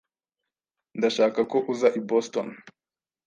Ndashaka ko uza i Boston.